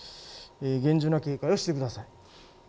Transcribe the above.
厳重な警戒をしてください。